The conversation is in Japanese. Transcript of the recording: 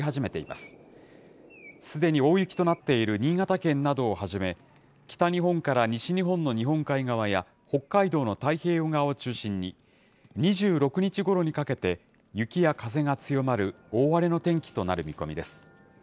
すでに大雪となっている新潟県などをはじめ、北日本から西日本の日本海側や、北海道の太平洋側を中心に、２６日ごろにかけて、雪や風が強まる大荒れの天気となる見込みです。